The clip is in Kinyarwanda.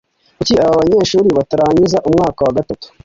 kuki aba banyeshuri batarangiza umwaka wa gatatu ‽